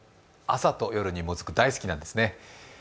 朝と夜にもずく大好きなんですね。